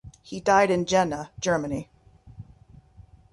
He died in Jena, Germany.